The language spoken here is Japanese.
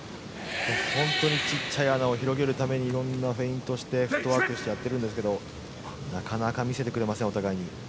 本当に小さい穴を広げるために色んなフェイントをしてフットワークしてやってるんですけどなかなか見せてくれませんお互いに。